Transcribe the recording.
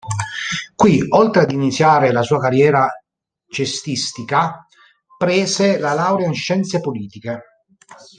Qui oltre ad iniziare la sua carriera cestistica, prese la laurea in scienze politiche.